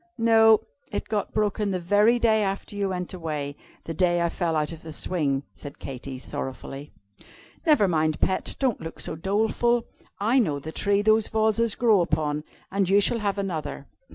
"No it got broken the very day after you went away; the day I fell out of the swing," said Katy, sorrowfully. "Never mind, pet, don't look so doleful. I know the tree those vases grow upon, and you shall have another.